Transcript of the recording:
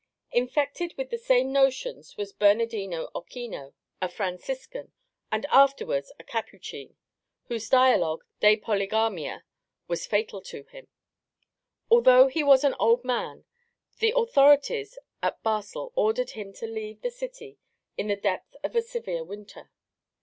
Infected with the same notions was Bernardino Ochino, a Franciscan, and afterwards a Capuchin, whose dialogue De Polygamiâ was fatal to him. Although he was an old man, the authorities at Basle ordered him to leave the city in the depth of a severe winter.